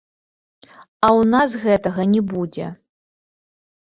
А ў нас гэтага не будзе.